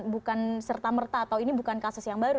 bukan serta merta atau ini bukan kasus yang baru